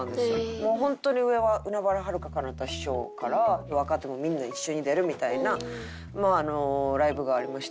もうホントに上は海原はるか・かなた師匠から若手もみんな一緒に出るみたいなライブがありまして。